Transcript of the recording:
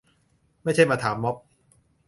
ไม่ใช่มาถามม็อบ